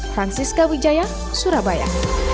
francisca wijaya surabaya